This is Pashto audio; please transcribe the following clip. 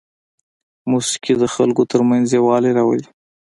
موسیقي د خلکو ترمنځ یووالی راولي.